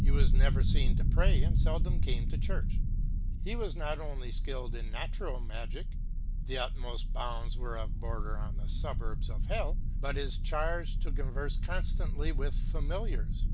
He was never feen to pray, and feldome came to Church. He was not onely skilled in naturall Magick ( the utmoft bounds whereof border on the fuburbs of hell ) but U charged to converfe conftantly with familiars.